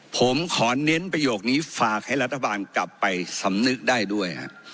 ผมขอเน้นประโยคนี้ฝากให้รัฐบาลกลับไปสำนึกได้ด้วย